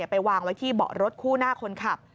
ไปวางไว้ที่เบาะรถคู่หน้าคนขับ